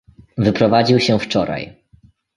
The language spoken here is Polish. "Wyprowadził się wczoraj."